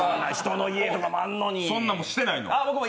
そんなもんしてないの？